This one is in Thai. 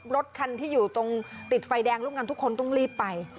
รถคันที่อยู่ตรงติดไฟแดงร่วมกันทุกคนต้องรีบไป